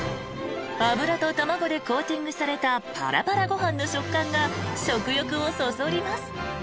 ［油と卵でコーティングされたパラパラご飯の食感が食欲をそそります］